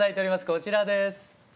こちらです。